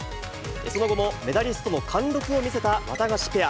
その後もメダリストの貫禄を見せたワタガシペア。